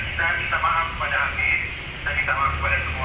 kita minta maaf kepada hakim dan minta maaf kepada semua